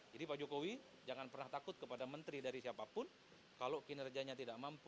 jadi pak jokowi jangan pernah takut kepada menteri dari siapapun kalau kinerjanya tidak mampu